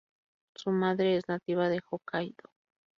Su madre es nativa de Hokkaidō.